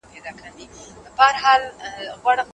لوستې مور د کور پاک چاپېريال برابروي.